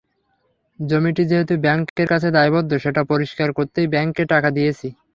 জমিটি যেহেতু ব্যাংকের কাছে দায়বদ্ধ, সেটা পরিষ্কার করতেই ব্যাংককে টাকা দিয়েছি।